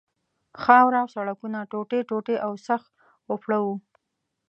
خاوره او سړکونه ټوټې ټوټې او سخت اوپړه وو.